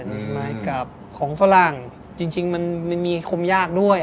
ใช่ไหมกับของฝรั่งจริงมันมีคมยากด้วย